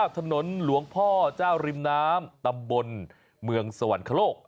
ถนนหลวงพ่อเจ้าริมน้ำตำบลเมืองสวรรคโลก